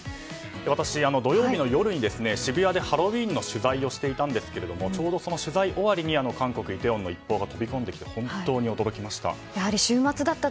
私、土曜日の夜に渋谷でハロウィーンの取材をしていたんですけれどもちょうどその取材終わりに韓国イテウォンの一報が飛び込んできて本当に驚きました。